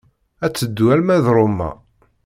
Ad teddu arma d Roma.